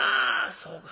そうか。